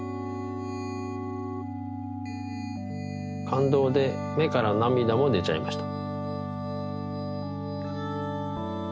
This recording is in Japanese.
かんどうでめからなみだもでちゃいました。